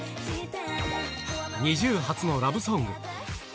ＮｉｚｉＵ初のラブソング。